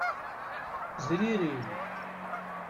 Zririn.